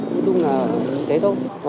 nói chung là thế thôi